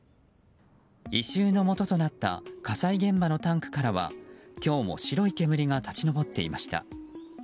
異臭のもととなった火災現場のタンクからは今日も白い煙が立ち上っていました。